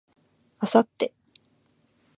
明後日